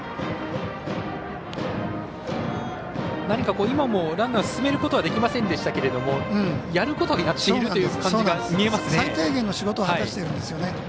何か今もランナーを進めることはできませんでしたがやることはやっているという感じが見えますね。